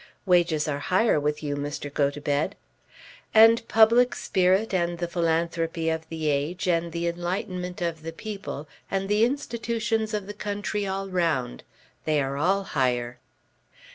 "Wages are higher with you, Mr. Gotobed." "And public spirit, and the philanthropy of the age, and the enlightenment of the people, and the institutions of the country all round. They are all higher."